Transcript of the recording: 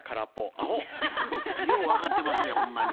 あほ！よう分かってますねほんまに。